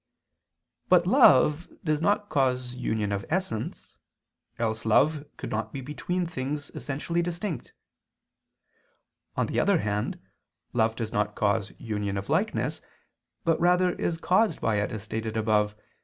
But love does not cause union of essence; else love could not be between things essentially distinct. On the other hand, love does not cause union of likeness, but rather is caused by it, as stated above (Q.